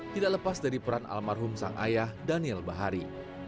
tidak lepas dari peran almarhum sang ayah daniel bahari